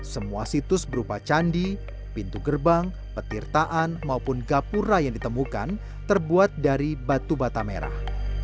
semua situs berupa candi pintu gerbang petirtaan maupun gapura yang ditemukan terbuat dari batu bata merah